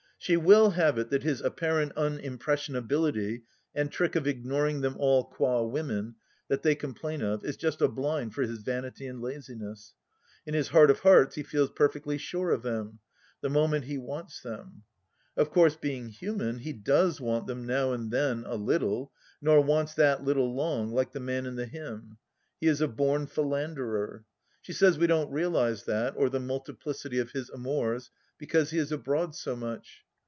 She will have it that his apparent unimpressionability and trick of ignoring them all qua women that they complain of, is just a blind for his vanity and laziness. In his heart of hearts he feels perfectly sure of them — the moment he wants them. Of course, being human, he does want them now and then a little, nor wants that little long, like the man in the hymn. He is a born philanderer. She says we don't realize that, or the multiplicity of his amours, because he is abroad so much.